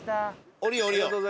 降りよう降りよう。